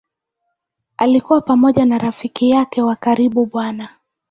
Akiwa pamoja na rafiki yake wa karibu Bw.